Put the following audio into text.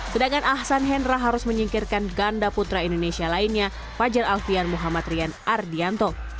sedangkan ahsan hendra harus menyingkirkan ganda putra indonesia lainnya fajar alfian muhammad rian ardianto